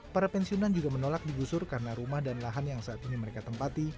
para pensiunan juga menolak digusur karena rumah dan lahan yang saat ini mereka tempati